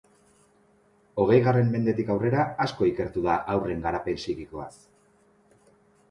Hogeigarren mendetik aurrera asko ikertu da haurren garapen psikikoaz.